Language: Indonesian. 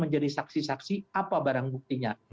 menjadi saksi saksi apa barang buktinya